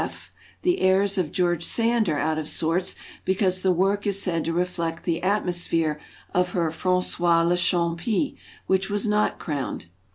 F. The heirs of George Sand are out of sorts be cause the work is said to reflect the atmosphere of her "FranQois le Champi", which was not crowned.